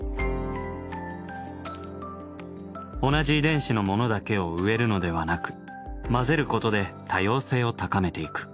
同じ遺伝子のものだけを植えるのではなく交ぜることで多様性を高めていく。